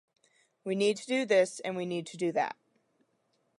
We need to do this and we need to do that.